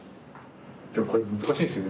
でもこれ難しいですよね。